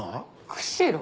釧路？